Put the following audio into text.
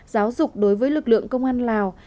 giáo dục đối với lực lượng công an lào